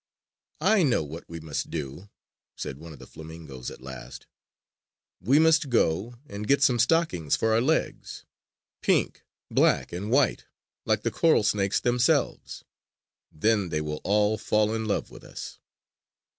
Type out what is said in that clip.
"I know what we must do," said one of the flamingoes at last. "We must go and get some stockings for our legs pink, black and white like the coral snakes themselves then they will all fall in love with us!"